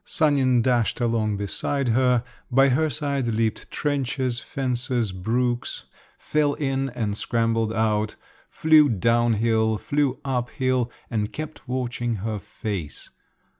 Sanin dashed along beside her, by her side leaped trenches, fences, brooks, fell in and scrambled out, flew down hill, flew up hill, and kept watching her face.